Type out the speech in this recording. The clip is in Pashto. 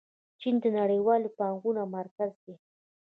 چین د نړیوالې پانګونې مرکز دی.